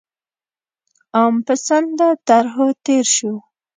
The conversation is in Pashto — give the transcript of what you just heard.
عام پسنده طرحو تېر شو.